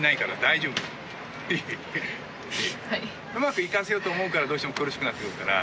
うまくいかせようと思うからどうしても苦しくなってくるから。